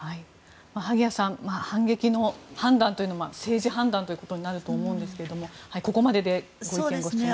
萩谷さん反撃の判断というのは政治判断というところになると思うんですがここまででご意見・ご質問いかがでしょうか。